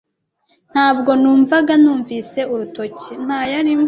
Ntabwo numvaga numvise urutoki.